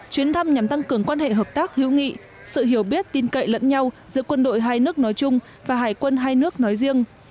chuyến thăm nhằm tăng cường quan hệ hợp tác hữu nghị sự hiểu biết tin cậy lẫn nhau giữa quân đội hai nước nói chung và hải quân hai nước nói riêng